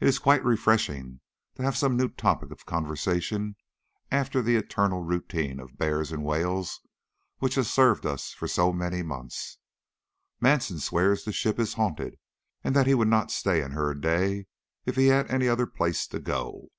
It is quite refreshing to have some new topic of conversation after the eternal routine of bears and whales which has served us for so many months. Manson swears the ship is haunted, and that he would not stay in her a day if he had any other place to go to.